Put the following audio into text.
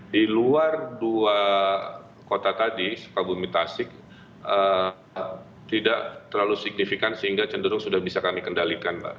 di luar dua kota tadi sukabumi tasik tidak terlalu signifikan sehingga cenderung sudah bisa kami kendalikan mbak